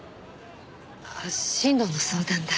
あっ進路の相談だ？